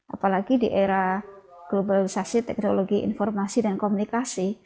apalagi di era globalisasi teknologi informasi dan komunikasi